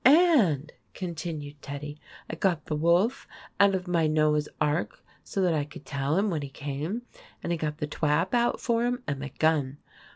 " And," continued Teddy, " I got the wolf out of my Noah's Ark, so that I could tell him when he came, and I got the twap out for him, and my gun.